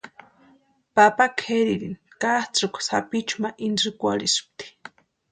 Papa kʼeririni katsʼïkwa sapichu ma intsïkwarhispti.